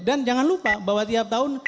dan jangan lupa bahwa tiap tahun